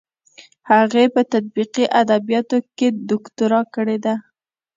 هغې په تطبیقي ادبیاتو کې دوکتورا کړې ده.